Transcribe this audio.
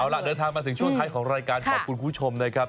เอาล่ะเดินทางมาถึงช่วงท้ายของรายการขอบคุณคุณผู้ชมนะครับ